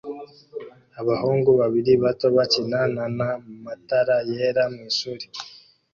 Abahungu babiri bato bakina na na matara yera mwishuri